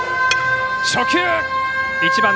初球。